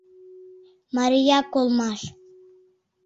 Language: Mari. Марияк улмаш.